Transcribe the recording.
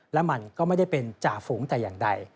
และมันก็ไม่ได้เป็นจ่าฝูงแต่อย่างใด